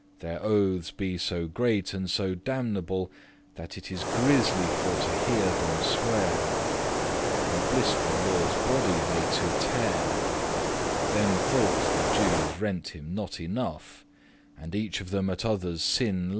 Their oathes be so great and so damnable, That it is grisly* for to hear them swear. *dreadful <6> Our blissful Lorde's body they to tear;* *tore to pieces <7> Them thought the Jewes rent him not enough, And each of them at other's sinne lough.